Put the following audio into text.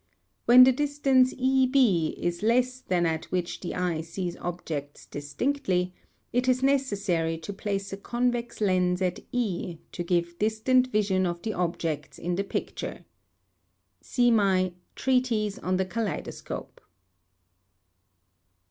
When the distance E B is less than that at which the eye sees objects distinctly, it is necessary to place a convex lens at ┬Ż to give distinct 446 A TREATISE ON OPTICS. PART IV. vision of the objects in the picture. See my Treatise on the Kaleidoscope.